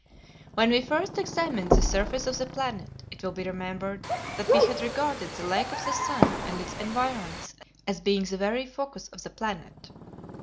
When we first examined the surface of the planet it will be remembered that we had regarded the Lake of the Sun and its environs as being the very focus of the planet.